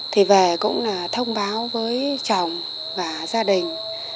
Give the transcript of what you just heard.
thì về cũng là thông báo với chồng và gia đình